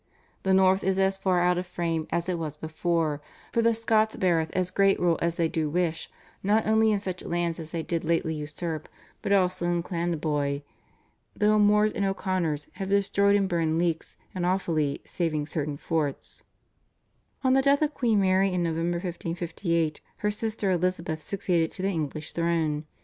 The North is as far out of frame as it was before, for the Scots beareth as great rule as they do wish, not only in such lands as they did lately usurp, but also in Clandeboy. The O'Moores and O'Connors have destroyed and burned Leix and Offaly saving certain forts." On the death of Queen Mary in November 1558, her sister Elizabeth succeeded to the English throne.